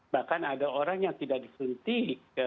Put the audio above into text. bahkan ada orang yang tidak disuntik